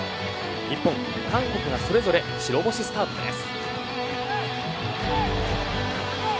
日本、韓国がそれぞれ白星スタートです。